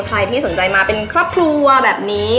ใครที่สนใจมาเป็นครอบครัวแบบนี้